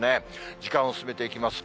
時間を進めていきます。